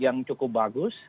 yang cukup bagus